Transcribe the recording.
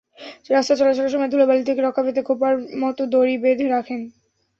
রাস্তায় চলাচলের সময় ধুলাবালু থেকে রক্ষা পেতে খোঁপার মতো দাড়ি বেঁধে রাখেন।